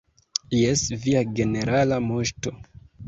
Jes, Via Generala Moŝto.